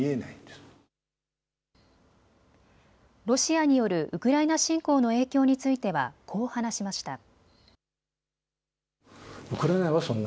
ロシアによるウクライナ侵攻の影響についてはこう話しました。